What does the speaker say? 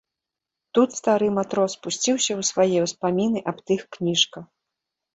Тут стары матрос пусціўся ў свае ўспаміны аб тых кніжках.